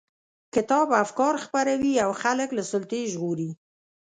کتاب افکار خپروي او خلک له سلطې ژغوري.